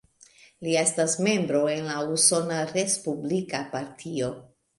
Li estas membro en la Usona respublika Partio.